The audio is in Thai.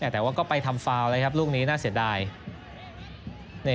แต่ว่าก็ไปทำฟาวเลยครับลูกนี้น่าเสียดาย